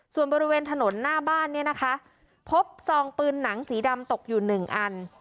ส่วนบริเวณถนนหน้าบ้านเนี่ยนะคะพบซองปืนหนังสีดำตกอยู่หนึ่งอัน